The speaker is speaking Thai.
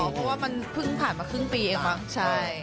เพราะว่ามันพึ่งผ่านมาครึ่งปีเองบ้างใช่